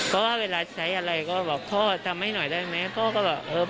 เพราะว่าเวลาใช้อะไรก็บอกพ่อทำให้หน่อยได้ไหม